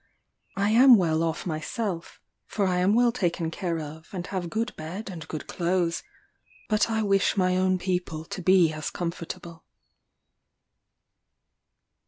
I am well off myself, for I am well taken care of, and have good bed and good clothes; but I wish my own people to be as comfortable."